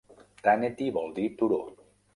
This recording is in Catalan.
"Tanety" vol dir turó.